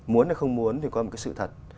muốn hay không muốn thì có một cái sự thật